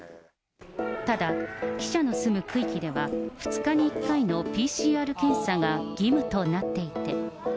ただ、記者の住む区域では、２日に１回のＰＣＲ検査が義務となっていて。